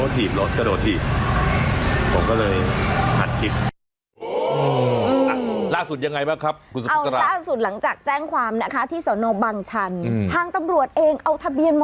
แต่สักครั้งหนึ่งเขาก็ถีบรถ